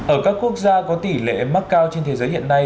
ở các quốc gia có tỷ lệ mắc cao trên thế giới hiện nay